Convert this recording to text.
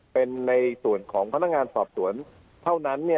เป็นในส่วนของพนักงานสอบสวนเท่านั้น